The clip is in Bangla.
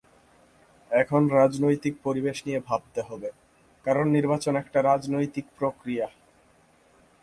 এখন রাজনৈতিক পরিবেশ নিয়ে ভাবতে হবে, কারণ নির্বাচন একটা রাজনৈতিক প্রক্রিয়া।